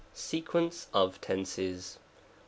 Sequence of Tenses. 1.